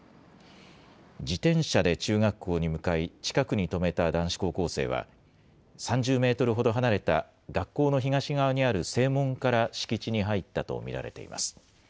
自転車で中学校に向かい、近くに止めた男子高校生は、３０メートルほど離れた学校の東側にある正門から敷地に入ったと見られています。